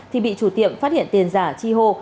thì bị chủ tiệm phát hiện tiền giả chi hô